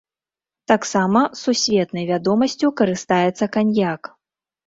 Таксама сусветнай вядомасцю карыстаецца каньяк.